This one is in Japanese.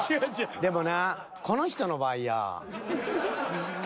でもなこの人の場合やぁ。